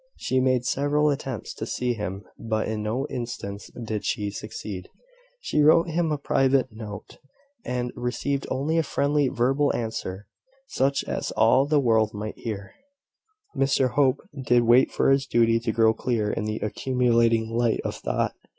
She made several attempts to see him; but in no instance did she succeed. She wrote him a private note, and received only a friendly verbal answer, such as all the world might hear. Mr Hope did wait for his duty to grow clear in the accumulating light of thought.